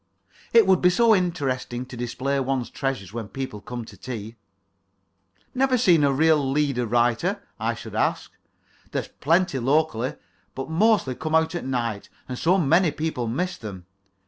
It would be so interesting to display one's treasures when people came to tea. "Never seen a real leader writer?" I should say. "They're plentiful locally, but mostly come out at night, and so many people miss them.